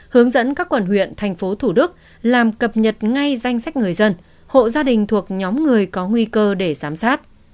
hướng dẫn các quận huyện tp hcm làm cập nhật ngay danh sách người dân hộ gia đình thuộc nhóm người có nguy cơ để giám sát